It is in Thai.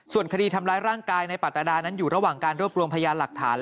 ส่วนคดีทำร้ายร่างกายในปัตตาดานั้นอยู่ระหว่างการรวบรวมพยานหลักฐาน